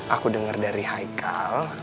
aku denger dari haikal